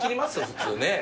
普通ねぇ。